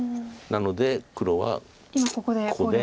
なので黒はここで。